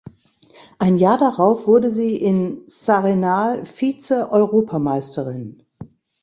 Ein Jahr darauf wurde sie in S’Arenal Vizeeuropameisterin.